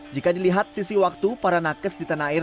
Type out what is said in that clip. jika dilihat sisi waktu para nakes di tanah air